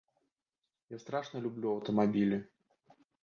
Я страшна люблю аўтамабілі.